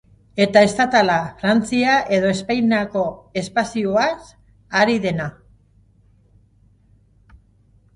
Eta estatala, Frantzia edo Espainiako espazioaz ari dena.